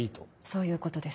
そういうことです。